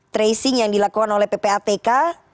tracing yang dilakukan oleh ppatk